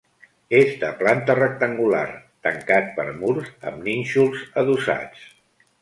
És de planta rectangular, tancat per murs amb nínxols adossats.